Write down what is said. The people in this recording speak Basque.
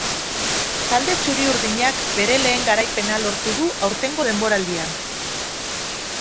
Talde txuri-urdinak bere lehen garaipena lortu du aurtengo denboraldian.